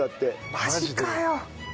マジかよ！